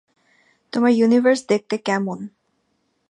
তোমার ইউনিভার্স দেখতে কেমন?